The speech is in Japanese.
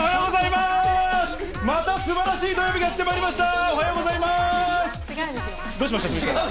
またすばらしい土曜日がやってまいりました。